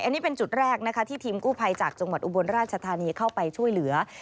อันนี้เป็นจุดแรกนะคะที่ทีมกู้ภัยจากจังหวัดอุบลราชธานีเข้าไปช่วยเหลือ